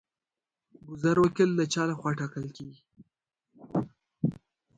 ګذر وکیل د چا لخوا ټاکل کیږي؟